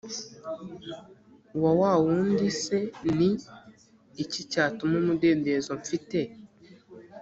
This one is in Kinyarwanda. uwa wa wundi cni iki cyatuma umudendezo mfite